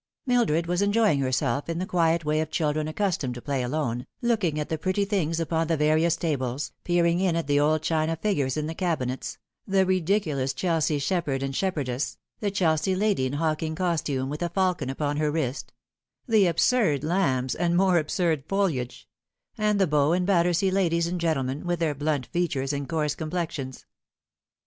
Mildred was enjoying herself in the quiet way of children accustomed to play alone, looking at the pretty things upon the various tables, peering in at the old china figures in the cabinets tho ridiculous Chelsea shepherd and shepherdess ; the Chelsea lady in hawking costume, with a falcon upon her wrist ; the absurd lambs, and more absurd foliage ; and the Bow and Battersea ladies and gentlemen, with their blunt features and coarse com plexions.